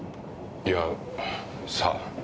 いやさあ。